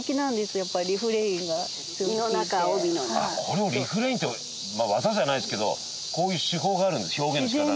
ああこれをリフレインってまあ技じゃないですけどこういう手法がある表現の仕方が。